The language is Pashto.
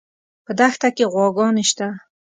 په دښته کې غواګانې شته